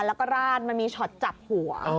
แล้วก็ราดมันมีช็อตจับหัว